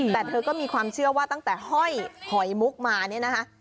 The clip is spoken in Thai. แต่เธอก็มีความเชื่อว่าตั้งแต่ห้อยหอยมุกมาเนี่ยนะคะ